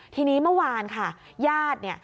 ทีนี้เมื่อวานค่ะญาติเนี่ย